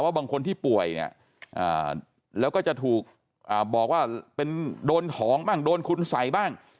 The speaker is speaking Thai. บางคนที่ป่วยเนี่ยแล้วก็จะถูกบอกว่าเป็นโดนของบ้างโดนคุณสัยบ้าง